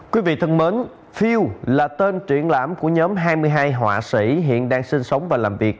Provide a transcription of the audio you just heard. quý vị thân mến phim là tên triển lãm của nhóm hai mươi hai họa sĩ hiện đang sinh sống và làm việc